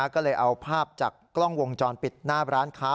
ก็เลยเอาภาพจากกล้องวงจรปิดหน้าร้านค้า